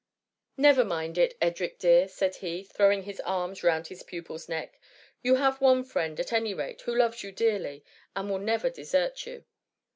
<^ Never mind it, Edric dear !" said he, throw ing his arms round his pupil's neck ;" you have one friend, at any rate, who loves you dearly, and will never desert you."